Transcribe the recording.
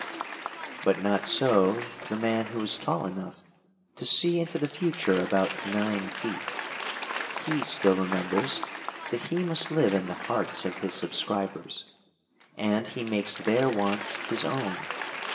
But not so the man who is tall enough to see into the future about nine feet. He still remembers that he must live in the hearts of his subscribers, and he makes their wants his own.